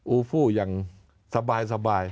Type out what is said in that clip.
ูฟูอย่างสบาย